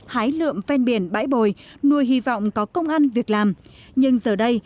hái lượm ven biển bãi bồi nuôi hy vọng có công ăn việc làm nhưng giờ đây